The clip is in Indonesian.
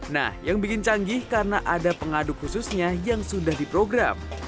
nah yang bikin canggih karena ada pengaduk khususnya yang sudah diprogram